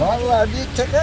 wah coba kita cek aja dulu